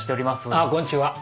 あっこんにちは。